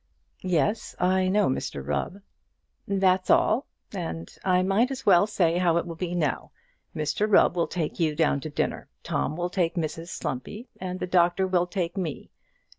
"Yes; I know Mr Rubb." "That's all; and I might as well say how it will be now. Mr Rubb will take you down to dinner. Tom will take Mrs Slumpy, and the doctor will take me.